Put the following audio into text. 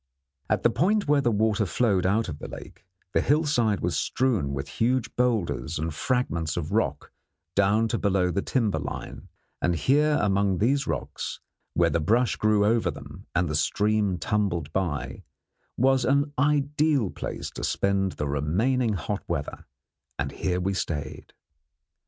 At the point where the water flowed out of the lake, the hillside was strewn with huge boulders and fragments of rock down to below the timber line, and here among these rocks, where the brush grew over them and the stream tumbled by, was an ideal place to spend the remaining hot weather; and here we stayed.